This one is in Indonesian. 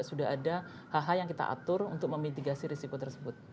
sudah ada hal hal yang kita atur untuk memitigasi risiko tersebut